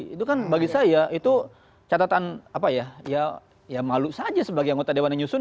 itu kan bagi saya catatan malu saja sebagai anggota dewan